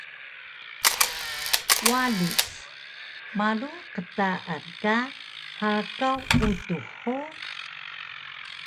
Walis: Malu qtaan ka hakaw utux hug?